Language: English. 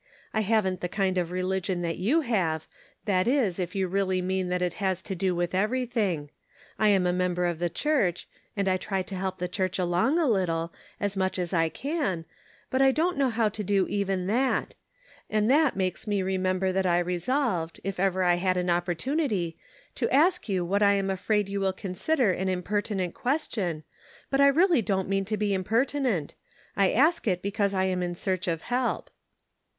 I haven't the kind of religion that you have — that is if you really mean that it has to do with every Subtle Distinctions. 135 thing. I am a member of the Church, and I try to help the Church along a little, as much as I can, but I don't know how to do even that. And that makes me remember that I resolved, if ever I had an opportunity, to ask you what I am afraid you will consider an impertinent question, but I really don't mean to be impertinent ; I ask it because I am in search of help."